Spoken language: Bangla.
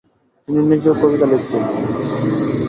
তিনি নিজেও কবিতা লিখতেন।